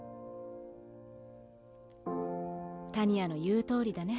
タニアの言うとおりだね。